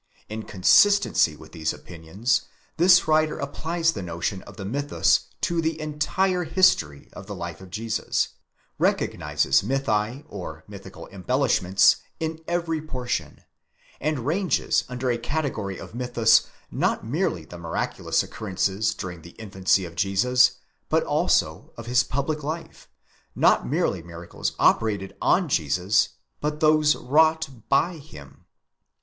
In consistency with these opinions, this writer applies the notion of the mythus to the entire history of the life of Jesus; recognizes mythi or mythical embellishments in every portion, and ranges under the category of mythus not merely the miraculous occurrences during the infancy of Jesus, but those also of his public life; not merely miracles operated on Jesus, but those wrought by him.